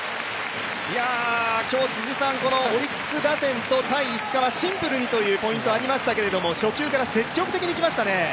今日、オリックス打線と対石川、シンプルにというポイントがありましたが初球から積極的にいきましたね。